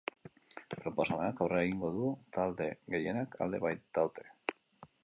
Proposamenak aurrera egingo du, talde gehienak alde baitaude.